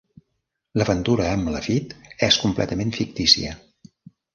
L'aventura amb Lafitte és completament fictícia.